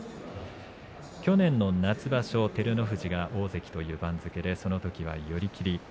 去年の夏場所、照ノ富士が大関という番付でそのときは寄り切り。